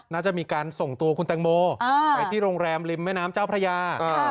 น่าจะมีการส่งตัวคุณแตงโมไปที่โรงแรมริมแม่น้ำเจ้าพระยา